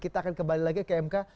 kita akan kembali lagi ke mk